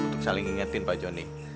untuk saling ngingetin pak joni